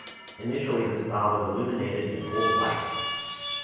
Initially, the star was illuminated in all-white.